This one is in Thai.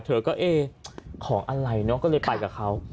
เธอก็เอ๊ะของอะไรเนอะก็เลยไปกับเขา